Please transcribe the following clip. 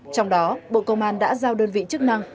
trong đó bộ công an đã giao đơn vị chức năng